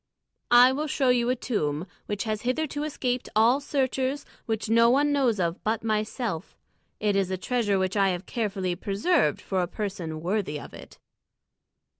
"I will show you a tomb which has hitherto escaped all searchers, which no one knows of but myself. It is a treasure which I have carefully preserved for a person worthy of it."